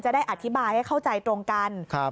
ได้อธิบายให้เข้าใจตรงกัน